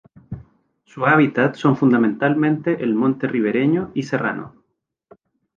Su hábitat son fundamentalmente el monte ribereño y serrano.